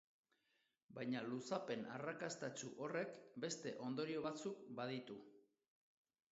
Baina luzapen arrakastatsu horrek beste ondorio batzuk baditu.